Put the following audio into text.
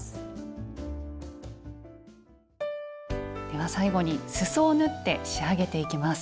では最後にすそを縫って仕上げていきます。